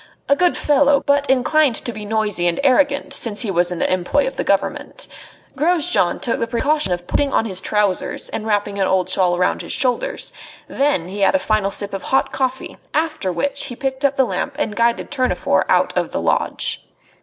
A good fellow, but inclined to be noisy and arrogant since he was in the employ of the Government. Grosjean took the precaution of putting on his trousers and wrapping an old shawl round his shoulders. Then he had a final sip of hot coffee; after which he picked up the lamp and guided Tournefort out of the lodge.